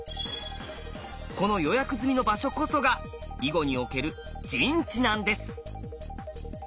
この予約済みの場所こそが囲碁における陣地なんです。